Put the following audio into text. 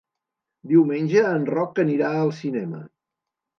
Diumenge en Roc anirà al cinema.